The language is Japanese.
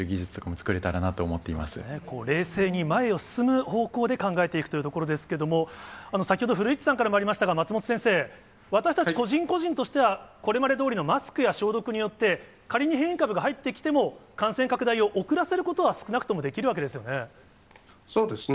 そうですね、冷静に前を進む方向で考えていくというところですけれども、先ほど古市さんからもありましたが、松本先生、私たち個人個人としてはこれまでどおりのマスクや消毒によって、仮に変異株が入ってきても、感染拡大を遅らせることは少なくそうですね。